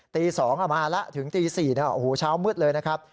ตี๒อะมาร่ะถึงตี๔นะโอ้โหช้ามืดเลยนะครับ